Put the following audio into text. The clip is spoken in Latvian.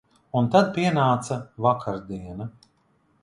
Un tad pienāca vakardiena.